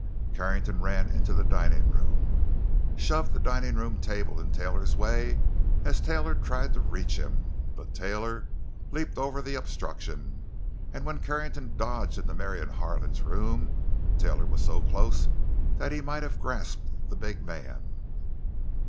Carrington ran into the dining room, shoved the dining room table in Taylor's way as Taylor tried to reach him; but Taylor leaped over the obstruction, and when Carrington dodged into Marion Harlan's room, Taylor was so close that he might have grasped the big man.